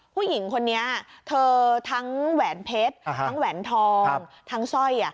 ผู้หญิงคนนี้เธอทั้งแหวนเพชรทั้งแหวนทองทั้งสร้อย